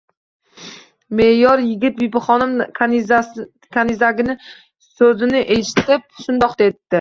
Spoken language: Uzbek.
Me’mor yigit Bibixonim kanizagini so’zini eshitib shundoq debdi: